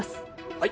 はい。